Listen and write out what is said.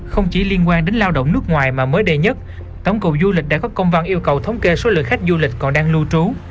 không chỉ liên quan đến lao động nước ngoài mà mới đây nhất tổng cục du lịch đã có công văn yêu cầu thống kê số lượng khách du lịch còn đang lưu trú